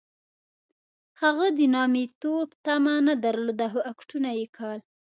هغه د نامیتوب تومنه نه درلوده خو اکټونه یې کول.